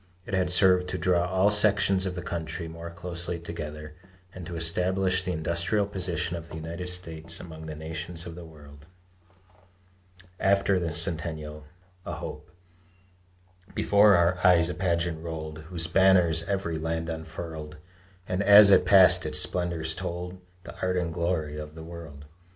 It had served to draw all sections of the country more closely together, and to establish the industrial position of the United States among the nations of the world. AFTER THE CENTENNIAL (A HOPE) Before our eyes a pageant rolled Whose banners every land unfurled; And as it passed, its splendors told The art and glory of the world.